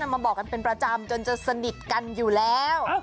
มาบอกกันเป็นประจำจนจะสนิทกันอยู่แล้ว